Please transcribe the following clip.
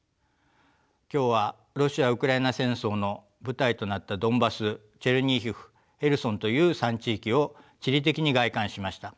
今日はロシア・ウクライナ戦争の舞台となったドンバスチェルニヒウヘルソンという３地域を地理的に概観しました。